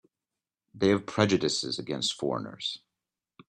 They have prejudices against foreigners.